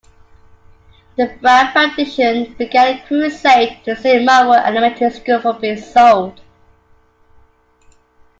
The Brown Foundation began a crusade to save Monroe Elementary School from being sold.